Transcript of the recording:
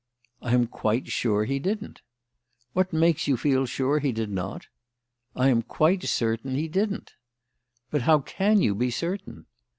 "I am quite sure he didn't." "What makes you feel sure he did not?" "I am quite certain he didn't." "But how can you be certain?"